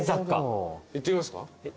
行ってみますか。